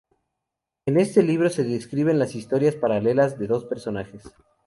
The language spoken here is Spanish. En este libro se describen las historias paralelas de dos personajes.